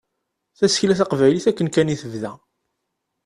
Tasekla taqbaylit akken kan i tebda.